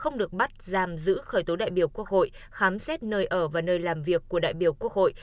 không được bắt giam giữ khởi tố đại biểu quốc hội khám xét nơi ở và nơi làm việc của đại biểu quốc hội